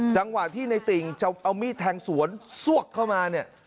จังหวะที่ในติ่งจะเอามีดแทงสวนซวกเข้ามาเนี่ย